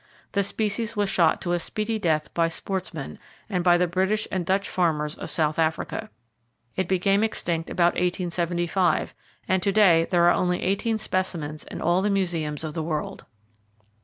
The species was shot to a speedy death by sportsmen, and by the British and Dutch farmers of South Africa. It became extinct about 1875, and to day there are only 18 specimens in all the museums of the world.